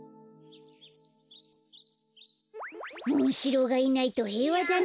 モンシローがいないとへいわだな。